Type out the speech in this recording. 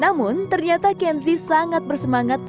namun ternyata kenzi sangat bersemangat